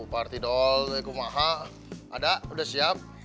pak artidol mekum h ada udah siap